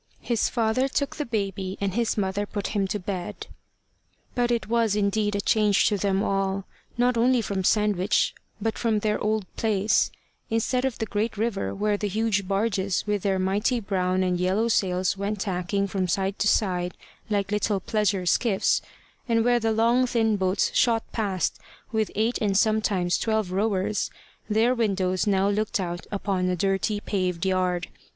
His father took the baby, and his mother put him to bed. But it was indeed a change to them all, not only from Sandwich, but from their old place, instead of the great river where the huge barges with their mighty brown and yellow sails went tacking from side to side like little pleasure skiffs, and where the long thin boats shot past with eight and sometimes twelve rowers, their windows now looked out upon a dirty paved yard.